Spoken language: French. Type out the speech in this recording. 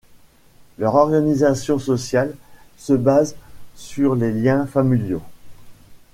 Leur organisation sociale se base sur les liens familiaux.